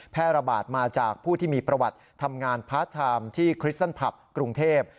ระบาดมาจากผู้ที่มีประวัติทำงานพาร์ทไทม์ที่คริสตันผับกรุงเทพ